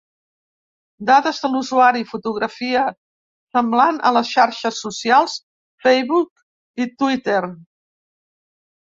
Dades de l'usuari, fotografia, semblant a les xarxes socials Facebook i Twitter.